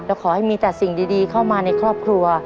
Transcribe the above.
แล้วขอให้มีแต่สิ่งดีเข้ามาในครอบครัว